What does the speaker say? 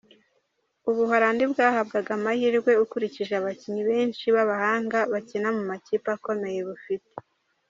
Ubuholandi bwahabwaga amahirwe ukurikije abakinnyi benshi b’abahanga bakina mu makipe akomeye bufite.